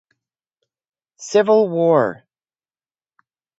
Civil War.